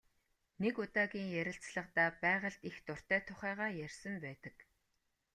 Нэг удаагийн ярилцлагадаа байгальд их дуртай тухайгаа ярьсан байдаг.